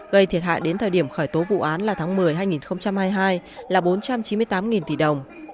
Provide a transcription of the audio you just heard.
gây thiệt hại đến thời điểm khởi tố vụ án là tháng một mươi hai nghìn hai mươi hai là bốn trăm chín mươi tám tỷ đồng